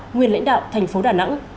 nguyên lãnh đạo thành phố đà nẵng